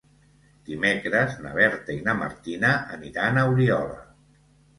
Dimecres na Berta i na Martina aniran a Oriola.